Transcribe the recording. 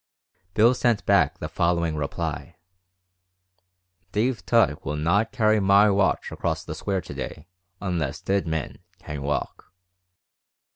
Bill sent back the following reply: "Dave Tutt will not carry my watch across the square to day unless dead men can walk."